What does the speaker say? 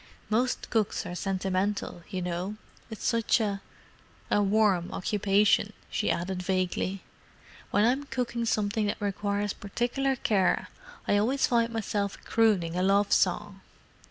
Most cooks are sentimental, you know: it's such a—a warm occupation," she added vaguely. "When I'm cooking something that requires particular care I always find myself crooning a love song!"